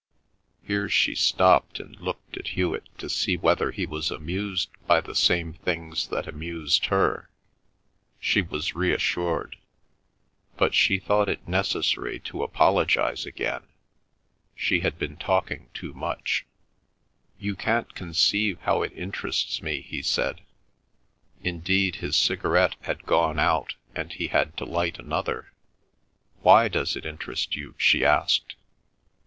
Here she stopped and looked at Hewet to see whether he was amused by the same things that amused her. She was reassured. But she thought it necessary to apologise again; she had been talking too much. "You can't conceive how it interests me," he said. Indeed, his cigarette had gone out, and he had to light another. "Why does it interest you?" she asked.